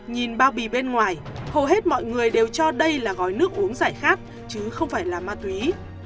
nhìn bao bì bên ngoài hầu hết mọi người đều cho đây là gói nước uống giải khát chứ không phải là ma túy